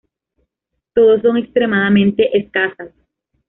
Todas son extremadamente escasas.